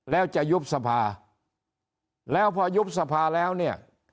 แล้วจะยุบสภาแล้วพอยุบสภาแล้วเนี่ย